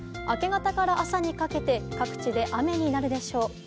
明け方から朝にかけて各地で雨となるでしょう。